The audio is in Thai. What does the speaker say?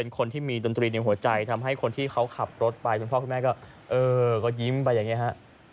คนที่มีดนตรีในหัวใจทำให้คนที่เขาขับรถไปคุณพ่อคุณแม่ก็เออก็ยิ้มไปอย่างนี้ฮะ